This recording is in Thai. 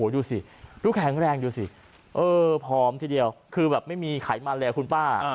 ดูสิดูแข็งแรงดูสิเออผอมทีเดียวคือแบบไม่มีไขมันเลยคุณป้า